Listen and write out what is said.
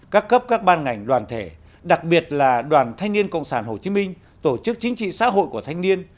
các cấp các ban ngành đoàn thể đặc biệt là đoàn thanh niên cộng sản hồ chí minh tổ chức chính trị xã hội của thanh niên